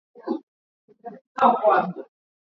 Wamasai humwabudu Mungu pekee na humwita Enkaiau Engai